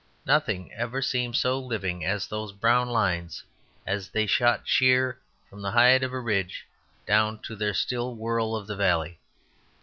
Nothing ever seemed so living as those brown lines as they shot sheer from the height of a ridge down to their still whirl of the valley.